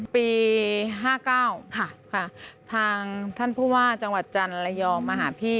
ปี๕๙ทางท่านผู้ว่าจังหวัดจันทร์ระยองมาหาพี่